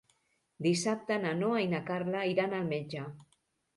Dissabte na Noa i na Carla iran al metge.